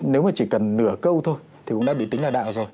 nếu mà chỉ cần nửa câu thôi thì cũng đã bị tính là đạo rồi